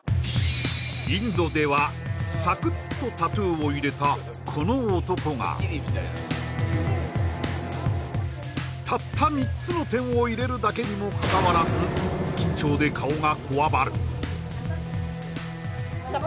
インドではサクッとタトゥーを入れたこの男がたった３つの点を入れるだけにもかかわらずそしてああ